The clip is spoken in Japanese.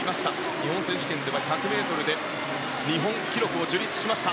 日本選手権では１００ｍで日本記録を樹立しました。